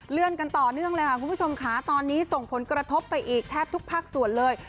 กันต่อเนื่องเลยค่ะคุณผู้ชมค่ะตอนนี้ส่งผลกระทบไปอีกแทบทุกภาคส่วนเลย